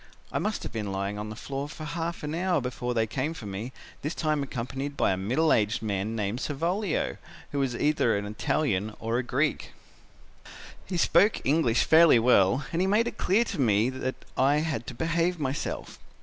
I must have been lying on the floor for half an hour when they came for me, this time accompanied by a middle aged man named Savolio, who was either an Italian or a Greek. "He spoke English fairly well and he made it clear to me that I had to behave myself.